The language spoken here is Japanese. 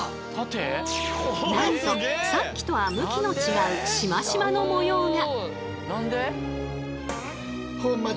なんとさっきとは向きの違うシマシマの模様が！